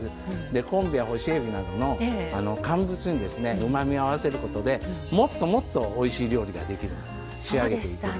昆布や干しえびなどの乾物にうまみを合わせることでもっともっとおいしい料理ができる。